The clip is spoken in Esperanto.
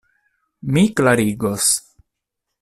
Mi klarigos.